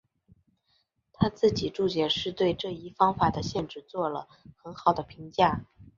他自己注解是对这一方法的限制做了很好的评价。